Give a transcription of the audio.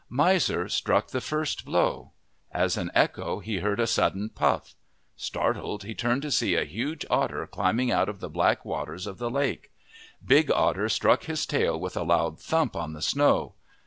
Miser struck the first blow. As an echo he heard a sudden pufF. Startled, he turned to see a huge otter climbing out of the black waters of the lake. Big Otter struck his tail with a loud thump on the snow.